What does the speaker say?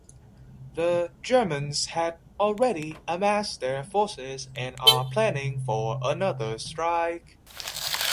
The Germans had already amassed their forces and are planning for another strike.